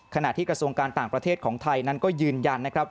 ขณะที่กระทรวงการต่างประเทศของไทยนั้นก็ยืนยันนะครับ